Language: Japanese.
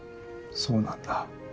そうなんだ。